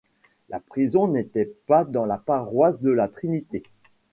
La prison n'était pas dans la paroisse de la Trinité.